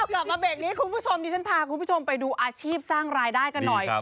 กลับมาเบรกนี้คุณผู้ชมดิฉันพาคุณผู้ชมไปดูอาชีพสร้างรายได้กันหน่อย